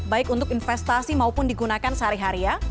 baik untuk investasi maupun digunakan sehari hari ya